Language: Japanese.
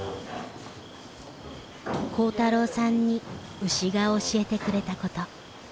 煌太郎さんに牛が教えてくれたこと。